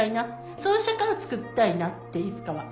そういう社会をつくりたいなっていつかは。